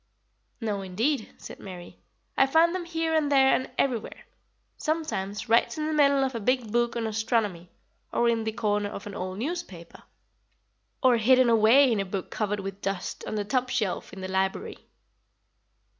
"No, indeed," said Mary. "I find them here and there and everywhere; sometimes right in the middle of a big book on astronomy, or in the corner of an old newspaper, or hidden away in a book covered with dust on the top shelf in the library."